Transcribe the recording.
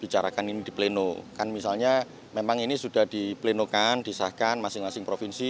bicarakan ini di pleno kan misalnya memang ini sudah di plenokan disahkan masing masing provinsi